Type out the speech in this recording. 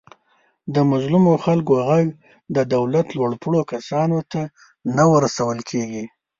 د مظلومو خلکو غږ د دولت لوپوړو کسانو ته نه ورسول کېږي.